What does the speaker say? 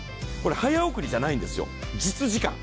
早送りじゃないんですよ、実時間。